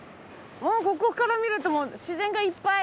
ここから見るともう自然がいっぱい。